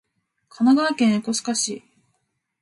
神奈川県横須賀市